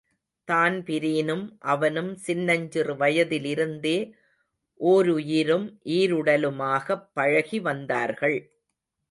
தான்பிரீனும் அவனும் சின்னஞ்சிறு வயதிலிருந்தே ஓருயிரும் ஈருடலுமாகப் பழகிவந்தார்கள்.